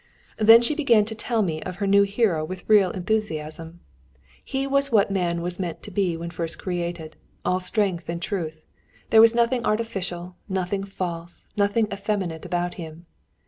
Then she began to tell me of her new hero with real enthusiasm. He was what man was meant to be when first created, all strength and truth; there was nothing artificial, nothing false, nothing effeminate about him.